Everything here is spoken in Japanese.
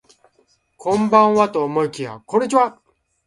こんばんはと思いきやこんにちは